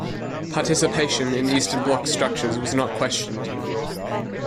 Participation in Eastern Bloc structures was not questioned.